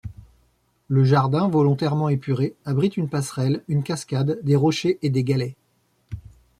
Le jardin, volontairement épuré, abrite une passerelle, une cascade, des rochers et des galets.